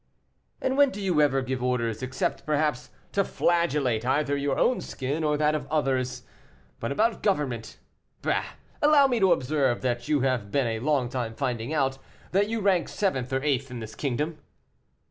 "And when do you ever give orders, except, perhaps, to flagellate either your own skin, or that of others? But about government. Bah! allow me to observe that you have been a long time finding out that you rank seventh or eighth in this kingdom."